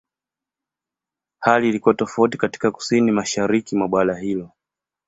Hali ilikuwa tofauti katika Kusini-Mashariki mwa bara hilo.